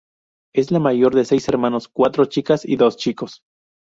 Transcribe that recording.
Es la mayor de seis hermanos; cuatro chicas y dos chicos.